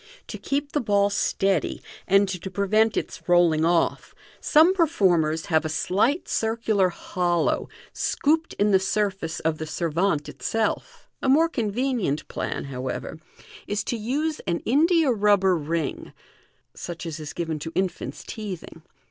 To keep the ball steady, and to prevent its rolling off, some performers have a slight circular hcliow scooped in the surface of the servavte itself. A more convenient plan, however, is to use an india rubber ring (such as is given to infanta teething).